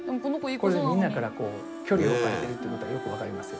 これでみんなから距離を置かれてるっていうことはよく分かりますよ。